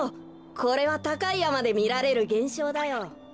これはたかいやまでみられるげんしょうだよ。